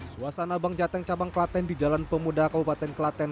suasana bang jateng cabang klaten di jalan pemuda kabupaten klaten